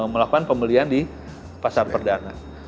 melakukan pembelian di pasar perdana